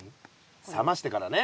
冷ましてからね。